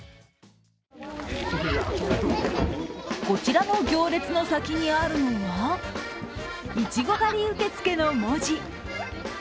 こちらの行列の先にあるのは、いちご狩り受け付けの文字。